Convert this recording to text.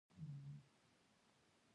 د پغمان سيمه د لوبو لپاره غوره سيمه ده